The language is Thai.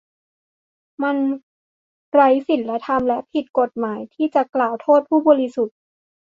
มันไร้ศีลธรรมและผิดกฎหมายที่จะกล่าวโทษผู้บริสุทธิ์